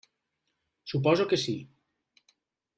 Suposo que sí.